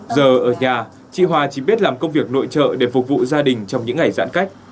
giờ ở nhà chị hoa chỉ biết làm công việc nội trợ để phục vụ gia đình trong những ngày giãn cách